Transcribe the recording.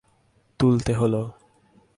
– তুলতে হল।